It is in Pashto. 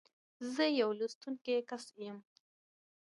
زه يو لوستونکی کس یم.